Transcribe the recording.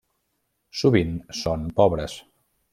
Sovint són pobres.